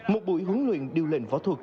một buổi huấn luyện điều lệnh võ thuật